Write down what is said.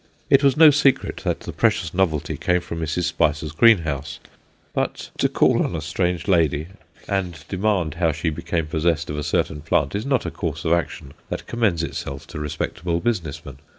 It was no secret that the precious novelty came from Mrs. Spicer's greenhouse; but to call on a strange lady and demand how she became possessed of a certain plant is not a course of action that commends itself to respectable business men.